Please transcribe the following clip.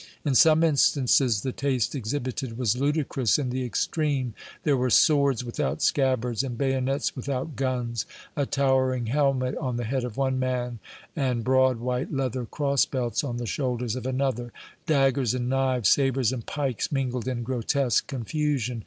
In some instances the taste exhibited was ludicrous in the extreme; there were swords without scabbards and bayonets without guns a towering helmet on the head of one man, and broad white leather cross belts on the shoulders of another daggers and knives, sabres and pikes mingled in grotesque confusion.